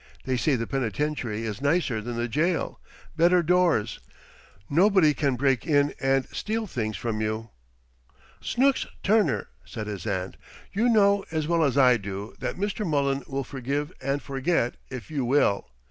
They say the penitentiary is nicer than the jail. Better doors. Nobody can break in and steal things from you." "Snooks Turner!" said his aunt. "You know as well as I do that Mr. Mullen will forgive and forget, if you will.